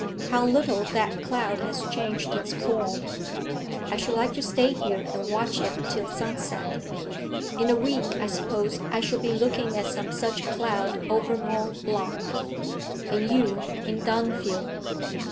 'How little that cloud has changed its form! I should like to stay here and watch it till sunset. In a week I suppose I shall be looking at some such cloud over Mont Blanc. And you, in Dunfield.'